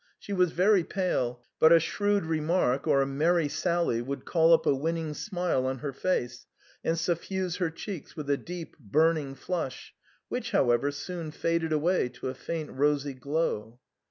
She was very pale ; but a shrewd remark or a merry sally would call up a winning smile on her face and suffuse her cheeks with a deep burning flush, which, however, soon faded away to a faint rosy glow.